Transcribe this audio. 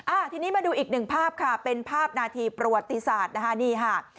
อ่าทีนี้มาดูอีกหนึ่งภาพค่ะเป็นภาพนาทีประวัติศาสตร์นะคะนี่ค่ะ